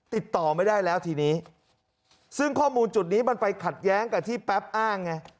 ติดต่อไม่ได้แล้วทีนี้ซึ่งข้อมูลจุดนี้มันไปขัดแย้งกับที่แป๊บอ้างไง